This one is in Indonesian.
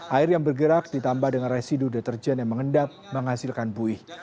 air yang bergerak ditambah dengan residu deterjen yang mengendap menghasilkan buih